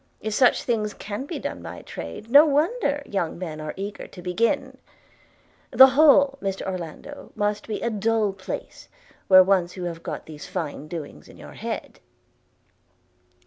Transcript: If such things can be done by trade, no wonder young men are eager to begin. The Hall, Mr Orlando, must be a dull place, when once you have got these fine doings in your head.'